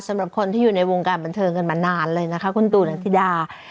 สำหรับคนที่อยู่ในวงการบันเทิงกันมานานเลยนะคะคุณตู่นันทิดา